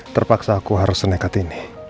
terpaksa aku harus senekat ini